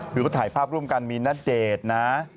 หรือก็ถ่ายภาพร่วมกันมีนัดเดทนะ